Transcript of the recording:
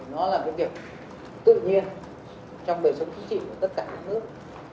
nó là một việc tự nhiên trong đời sống chính trị của tất cả các nước